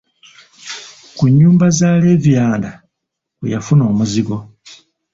Ku nnyumba za levirand kwe yafuna omuzigo.